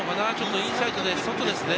インサイドで外ですね。